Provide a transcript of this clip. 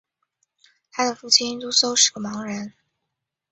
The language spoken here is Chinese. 他的父亲瞽叟是个盲人。